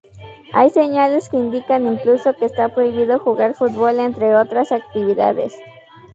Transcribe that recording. Hay señales que indican incluso que está prohibido jugar fútbol, entre otras actividades.